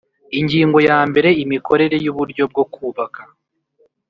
Ingingo yambere Imikorere y uburyo bwo kubaka